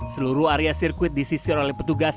seluruh area sirkuit disisir oleh petugas